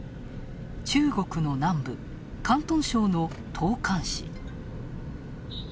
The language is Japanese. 中国の南部、広東省の東莞市。